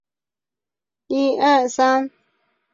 亦在此时顾福生鼓励三毛学习写作。